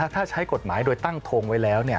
ถ้าใช้กฎหมายโดยตั้งทงไว้แล้ว